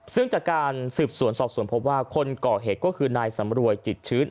ซึ่งจากการสืบสวนสอบสวนพบว่าคนก่อเหตุก็คือนายสำรวยจิตชื้น